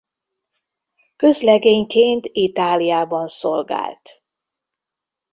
Közlegényként Itáliában szolgált.